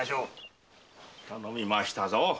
頼みましたぞ。